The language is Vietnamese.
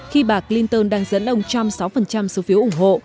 khi bà clinton đang dẫn ông trump sáu số phiếu ủng hộ